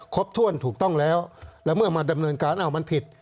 ครบถ้วนถูกต้องแล้วแล้วเมื่อมาดำเนินการอ้าวมันผิด